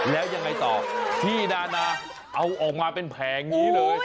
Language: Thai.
แล้วยังไงต่อพี่นานาเอาออกมาเป็นแผงนี้เลย